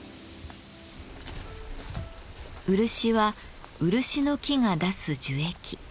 漆は漆の木が出す樹液。